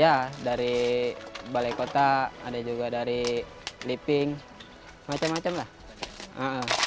ya dari balai kota ada juga dari liping macam macam lah